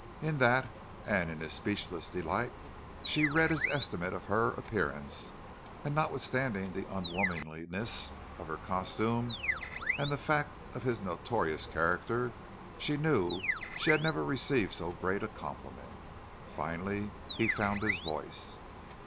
In that and his speechless delight she read his estimate of her appearance; and, notwithstanding the unwomanliness of her costume, and the fact of his notorious character, she knew she had never received so great a compliment. Finally he found his voice.